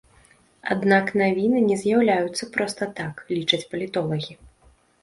Аднак навіны не з'яўляюцца проста так, лічаць палітолагі.